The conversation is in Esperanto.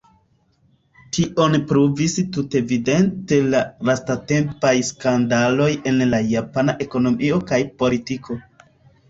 Tion pruvis tutevidente la lastatempaj skandaloj en la japana ekonomio kaj politiko.